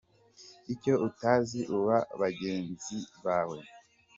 icyo utazi ubaza bagenzi bawe.